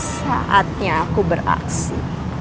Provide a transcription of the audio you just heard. saatnya aku beraksi